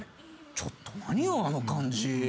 ちょっと何よあの感じ。